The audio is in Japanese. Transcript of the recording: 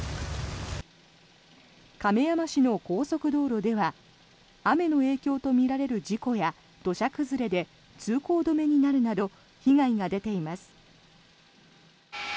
亀山市の高速道路では雨の影響とみられる事故や土砂崩れで通行止めになるなど被害が出ています。